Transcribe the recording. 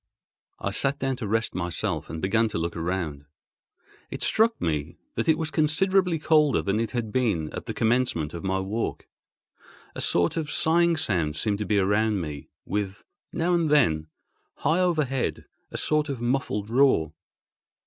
I sat down to rest myself, and began to look around. It struck me that it was considerably colder than it had been at the commencement of my walk—a sort of sighing sound seemed to be around me, with, now and then, high overhead, a sort of muffled roar.